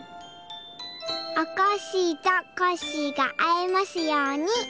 「おこっしぃとコッシーが会えますように」。